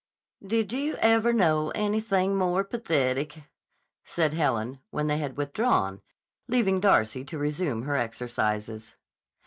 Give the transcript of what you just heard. "Did you ever know anything more pathetic!" said Helen, when they had withdrawn, leaving Darcy to resume her exercises.